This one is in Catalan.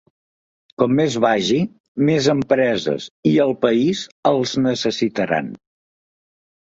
Com més vagi, més empreses –i el país– els necessitaran.